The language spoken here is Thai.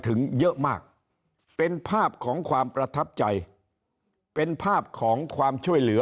ถึงเยอะมากเป็นภาพของความประทับใจเป็นภาพของความช่วยเหลือ